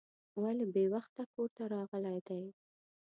ولې بې وخته کور ته راغلی دی.